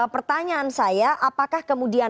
pertanyaan saya apakah kemudian